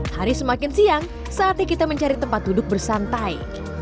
hari semakin siang saatnya kita mencari tempat duduk bersantai